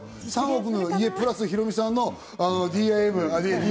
３億の家プラスヒロミさんのＤＩＹ。